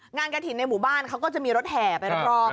กระถิ่นในหมู่บ้านเขาก็จะมีรถแห่ไปรับรอง